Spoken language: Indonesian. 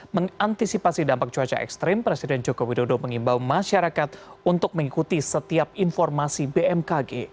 mengantisipasi dampak cuaca ekstrim presiden joko widodo mengimbau masyarakat untuk mengikuti setiap informasi bmkg